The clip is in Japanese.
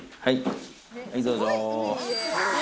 はいどうぞ。